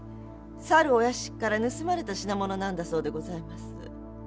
さるお屋敷から盗まれた品物なんだそうでございます。